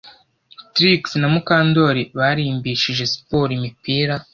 Trix na Mukandoli barimbishije siporo imipira